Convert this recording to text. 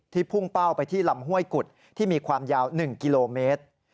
พุ่งเป้าไปที่ลำห้วยกุดที่มีความยาว๑กิโลเมตร